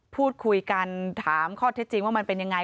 พูดคุยกันถามข้อเท็จจริงว่ามันเป็นยังไง